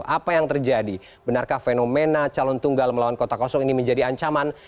apa yang terjadi benarkah fenomena calon tunggal melawan kota kosong ini menjadi ancaman